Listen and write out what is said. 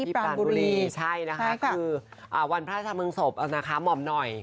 ปรานบุรีใช่ค่ะคือวันพระอาจารย์เมิงศพหม่อมน้อย